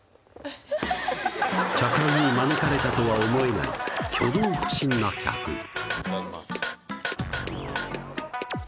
茶会に招かれたとは思えない挙動不審な客２つ？